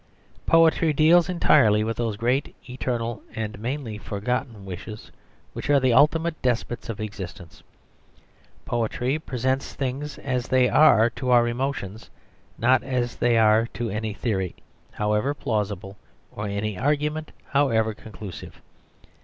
Poetry deals entirely with those great eternal and mainly forgotten wishes which are the ultimate despots of existence. Poetry presents things as they are to our emotions, not as they are to any theory, however plausible, or any argument, however conclusive.